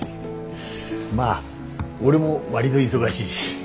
まあ俺も割ど忙しいし。